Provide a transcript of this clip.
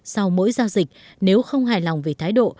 sau mỗi giao dịch nếu không hài lòng về thái độ